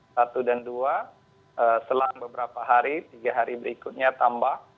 satu dan dua selang beberapa hari tiga hari berikutnya tambah